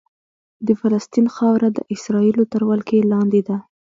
د فلسطین خاوره د اسرائیلو تر ولکې لاندې ده.